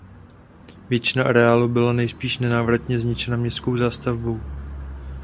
Většina areálu byla nejspíš nenávratně zničena městskou zástavbou.